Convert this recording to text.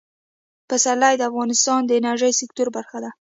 پسرلی د افغانستان د انرژۍ سکتور برخه ده.